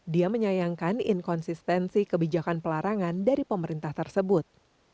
dia menyayangkan inkonsistensi kebijakan pelarangan dari pemerintah tersebut